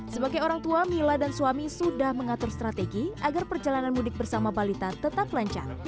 sebagai orang tua mila dan suami sudah mengatur strategi agar perjalanan mudik bersama balita tetap lancar